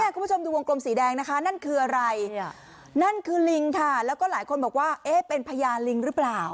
คุณผู้ชมดูวงกลมสีแดงนะคะนั่นคืออะไรนั่นคือลิงค่ะแล้วก็หลายคนบอกว่าเอ๊ะเป็นพญาลิงหรือเปล่า